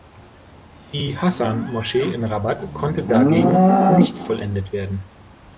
Die Hasan-Moschee in Rabat konnte dagegen nicht vollendet werden.